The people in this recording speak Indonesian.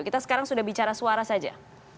kita sekarang sudah bicara suara saja